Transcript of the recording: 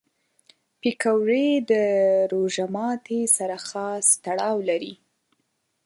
پکورې د روژه ماتي سره خاص تړاو لري